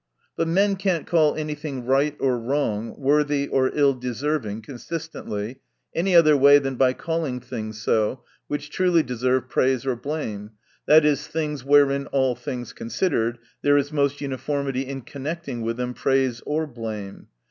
But men cannot call any thing right or wrong, worthy or ill deserving, consistently, any other way than by calling things so, which truly deserve praise or blame, i. e., things, wherein (all things considered) there is most uniformity in connecting with them praise or blame.